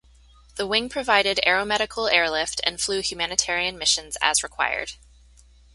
The wing provided aeromedical airlift and flew humanitarian missions as required.